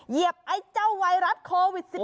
เหยียบไอ้เจ้าไวรัสโควิด๑๙